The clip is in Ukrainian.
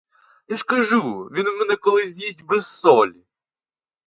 Я ж кажу, він мене колись з'їсть без солі.